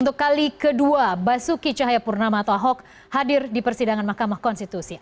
untuk kali kedua basuki cahayapurnama atau ahok hadir di persidangan mahkamah konstitusi